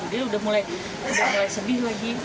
dia udah mulai sedih lagi